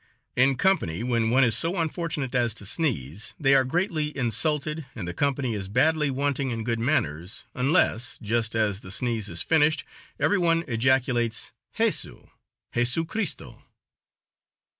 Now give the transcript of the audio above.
In company, when one is so unfortunate as to sneeze, they are greatly insulted, and the company is badly wanting in good manners unless, just as the sneeze is finished, every one ejaculates "Jesu," "Jesucristo."